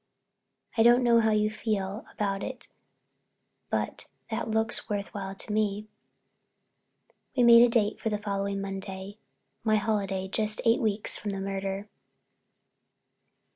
"I don't know how you feel about it but that looks worth while to me." We made a date for the following Monday, my holiday, just eight weeks from the murder.